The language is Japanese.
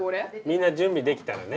みんな準備できたらね。